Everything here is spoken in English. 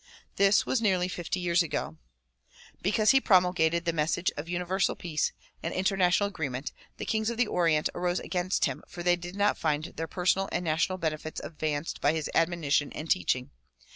This was nearly fifty years ago. Because he promulgated the message of Uni versal Peace and international agreement, the kings of the Orient arose against him for they did not find their personal and national benefits advanced by his admonition and teaching.